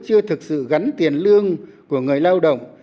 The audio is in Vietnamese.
chưa thực sự gắn tiền lương của người lao động